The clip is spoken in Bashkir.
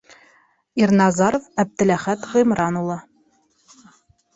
Ирназаров Әптеләхәт Ғимран улы.